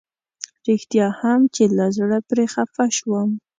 رښتيا هم چې له زړه پرې خفه شوم.